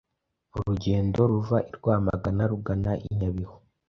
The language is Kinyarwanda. Urugendo ruva i Rwamagana rugana i Nyabihu